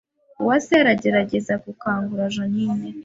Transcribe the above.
Uwase aragerageza gukangura Jeaninne